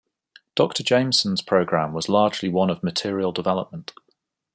Doctor Jameson's programme was largely one of material development.